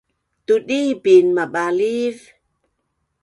tudipin mabaliv